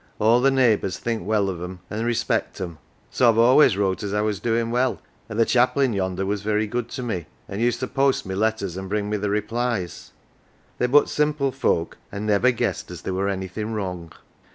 All the neighbours think well o' them, an' respect them. So I've always wrote as I was doin" well, an' the chaplain yonder was very good to me, an' used to post my letters an' bring me the replies. 241 Q "OUR JOE" They're but simple folk ; an 1 never guessed as there were anything wrong.